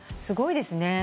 すごいですね。